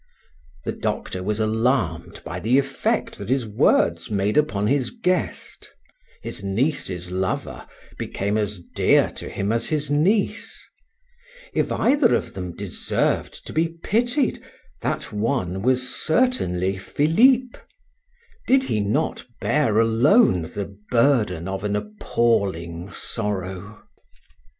The doctor was alarmed by the effect that his words made upon his guest; his niece's lover became as dear to him as his niece. If either of them deserved to be pitied, that one was certainly Philip; did he not bear alone the burden of an appalling sorrow?